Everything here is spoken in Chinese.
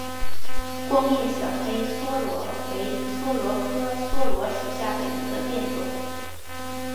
光叶小黑桫椤为桫椤科桫椤属下的一个变种。